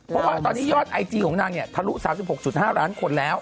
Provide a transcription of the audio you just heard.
เพราะว่าตอนนี้ยอดไอจีของนางเนี่ยทะลุสามสิบหกจุดห้าล้านคนแล้ว